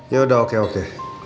yaudah oke oke